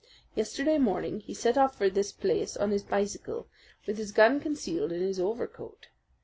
Yesterday morning he set off for this place on his bicycle, with his gun concealed in his overcoat.